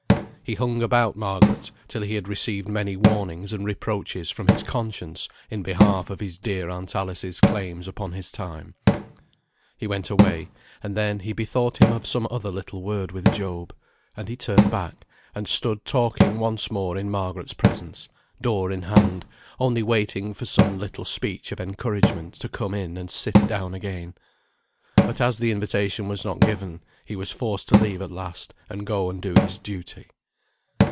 He hung about Margaret, till he had received many warnings and reproaches from his conscience in behalf of his dear aunt Alice's claims upon his time. He went away, and then he bethought him of some other little word with Job. And he turned back, and stood talking once more in Margaret's presence, door in hand, only waiting for some little speech of encouragement to come in and sit down again. But as the invitation was not given, he was forced to leave at last, and go and do his duty.